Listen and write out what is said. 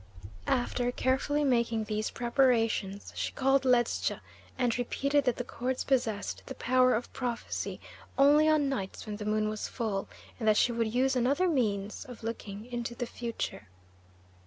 After carefully making these preparations she called Ledscha and repeated that the cords possessed the power of prophecy only on nights when the moon was full, and that she would use another means of looking into the future.